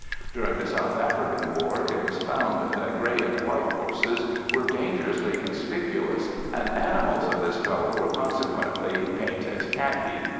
During the South African war it was found that grey and white horses were dangerously conspicuous, and animals of this colour were consequently painted khaki.